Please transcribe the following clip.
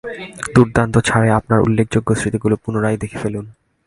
দুর্দান্ত ছাড়ে আপনার উল্লেখযোগ্য স্মৃতিগুলো পুনরায় দেখে ফেলুন।